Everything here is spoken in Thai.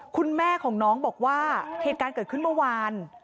คุณแม่ของน้องบอกว่าเหตุการณ์เกิดขึ้นเมื่อวาน